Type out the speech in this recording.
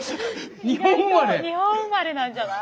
日本生まれなんじゃない？